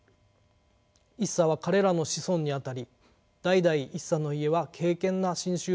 一茶は彼らの子孫にあたり代々一茶の家は敬けんな真宗門徒でした。